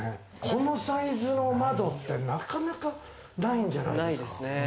このサイズの窓って、なかなかないんじゃないですか？